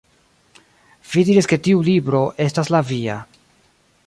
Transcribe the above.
Vi diris ke tiu libro estas la via